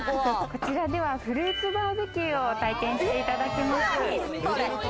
こちらではフルーツバーベキューを体験していただきます。